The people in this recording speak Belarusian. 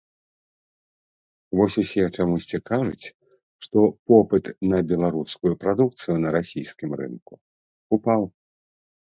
Вось усе чамусьці кажуць, што попыт на беларускую прадукцыю на расійскім рынку ўпаў.